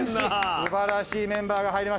素晴らしいメンバーが入りました。